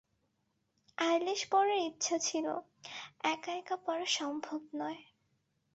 Eyelash পরার ইচ্ছা ছিল, একা-একা পরা সম্ভব নয়।